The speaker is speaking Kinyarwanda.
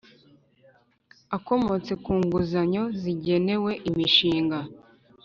Akomotse ku nguzanyo zigenewe imishinga